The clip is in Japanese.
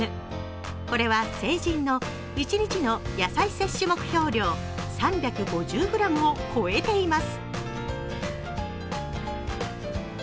これは成人の１日の野菜摂取目標量３５０ｇを超えています。